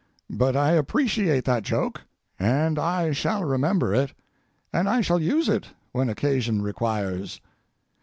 But I appreciate that joke, and I shall remember it—and I shall use it when occasion requires.